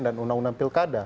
dan undang undang pilkada